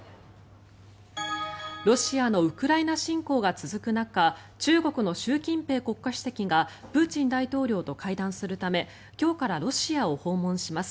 ロシアのウクライナ侵攻が続く中中国の習近平国家主席がプーチン大統領と会談するため今日からロシアを訪問します。